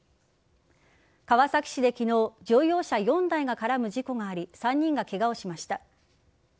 川崎市で昨日乗用車４台が絡む事故があり３人がケガをしました。